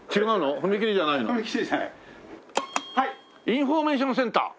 インフォメーションセンター。